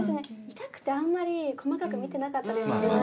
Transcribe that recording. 痛くてあんまり細かく見てなかったですけど。